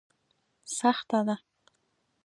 سخته ده.